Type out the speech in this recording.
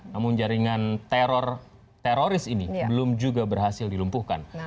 namun jaringan teroris ini belum juga berhasil dilumpuhkan